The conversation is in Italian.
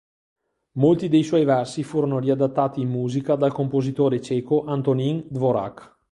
Molti dei suoi versi furono riadattati in musica dal compositore ceco Antonín Dvořák.